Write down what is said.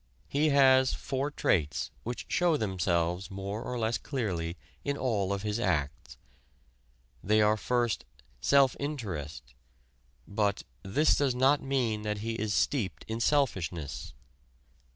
He has four traits which show themselves more or less clearly in all of his acts." They are first "self interest," but "this does not mean that he is steeped in selfishness